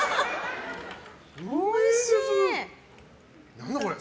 何だ、これ。